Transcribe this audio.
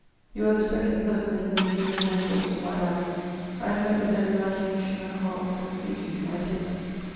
You are the second ^ person in whom, during the whole course of my life, I have met J with an imagination and a heart completely to my taste.